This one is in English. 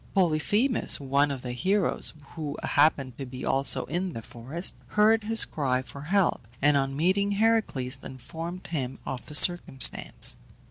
Polyphemus, one of the heroes, who happened to be also in the forest, heard his cry for help, and on meeting Heracles informed him of the circumstance.